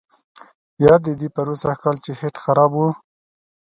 یاد دي دي پروسږ کال چې هیټ خراب وو.